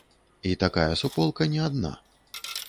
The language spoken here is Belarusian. І такая суполка не адна.